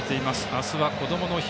明日は、こどもの日。